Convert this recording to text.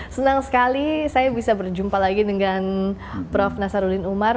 senang sekali saya bisa berjumpa lagi dengan prof nasaruddin umar